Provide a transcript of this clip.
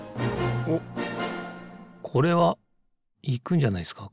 おっこれはいくんじゃないですか